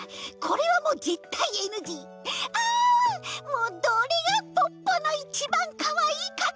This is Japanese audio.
もうどれがポッポのいちばんかわいいかくどなの？